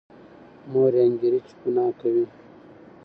مور یې انګېري چې ګناه کوي.